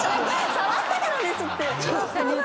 触ったからですって！